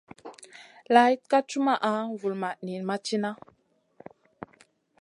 Laaɗ ka cumaʼa, vulmaʼ niyn ma cina.